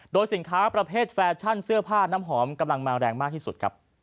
โดยสินค้าประเภทแฟชั่นเสื้อผ้าน้ำหอมกำลังมาแรงมากที่สุดครับ